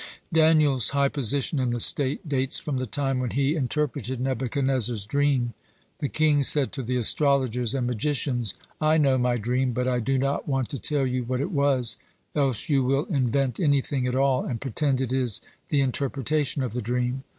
(79) Daniel's high position in the state dates from the time when he interpreted Nebuchadnezzar's dream. The king said to the astrologers and magicians: "I know my dream, but I do not want to tell you what it was, else you will invent anything at all, and pretend it is the interpretation of the dream.